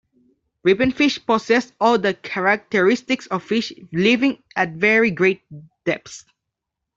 Ribbonfish possess all the characteristics of fish living at very great depths.